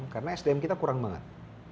karena sdm kita kurang banget